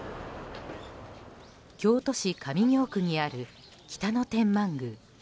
京都市上京区にある北野天満宮。